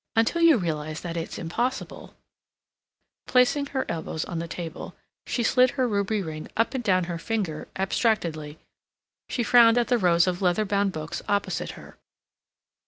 Until you realize that it's impossible—" Placing her elbows on the table, she slid her ruby ring up and down her finger abstractedly. She frowned at the rows of leather bound books opposite her.